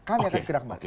kami akan sekedar kematian